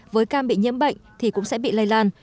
với cam bị nhiễm bệnh thì cũng sẽ bị lây lan